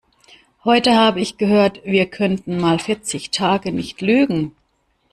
Heute habe ich gehört, wir könnten mal vierzig Tage nicht Lügen.